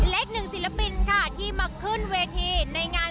อีกหนึ่งศิลปินค่ะที่มาขึ้นเวทีในงาน